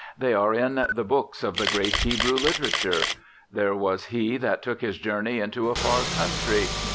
They are in the Books of the great Hebrew literature. There was he that took his journey into a far country.